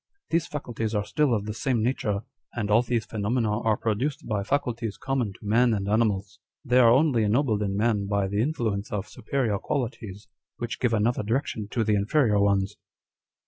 these faculties are still of the same nature, and all these phenomena are produced by faculties common to man and animals. They are only ennobled in man by the influence of superior qualities, which give another direction to the inferior ones."